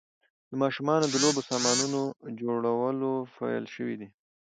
د ماشومانو د لوبو سامانونو جوړول پیل شوي دي.